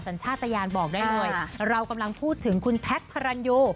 สัญชาติยานบอกได้เลยเรากำลังพูดถึงคุณแท็กพระรันยู